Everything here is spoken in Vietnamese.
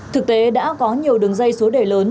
thực tế đã có nhiều đường dây số đề lớn